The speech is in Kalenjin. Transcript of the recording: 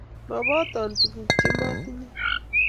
Moboton tukuk che motinyon